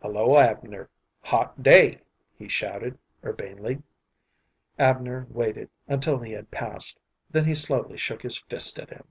"Hullo, Abner! Hot day!" he shouted, urbanely. Abner waited until he had passed, then he slowly shook his fist at him.